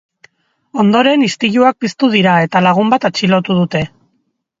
Ondoren istiluak piztu dira eta lagun bat atxilotu dute.